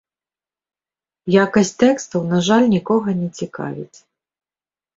Якасць тэкстаў, на жаль, нікога не цікавіць.